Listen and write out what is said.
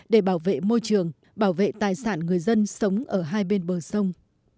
để bảo vệ môi trường bảo vệ tài sản người dân sống ở hai bên bờ sông